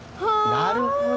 なるほど。